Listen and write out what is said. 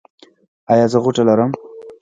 ایا زه غوټه لرم؟